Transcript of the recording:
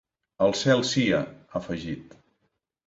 Al cel sia, ha afegit.